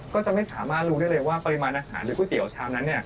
ก็จะไม่สามารถรู้ได้เลยว่าปริมาณอาหารหรือก๋วยเตี๋ยวชามนั้น